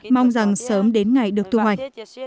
mong rằng sớm đến ngày được thu hoạch